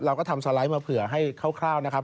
เราก็ทำสไลด์มาเผื่อให้คร่าวนะครับ